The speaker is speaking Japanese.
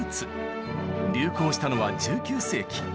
流行したのは１９世紀。